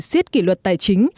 xét kỷ luật tài chính